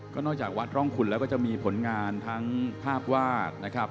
นอกจากวัดร่องคุณแล้วก็จะมีผลงานทั้งภาพวาดนะครับ